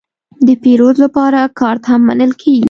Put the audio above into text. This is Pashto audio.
د پیرود لپاره کارت هم منل کېږي.